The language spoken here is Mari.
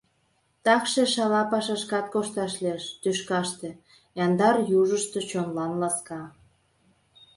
Такше шала пашашкат кошташ лиеш — тӱшкаште, яндар южышто чонлан ласка.